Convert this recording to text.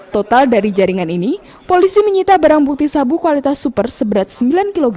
total dari jaringan ini polisi menyita barang bukti sabu kualitas super seberat sembilan kg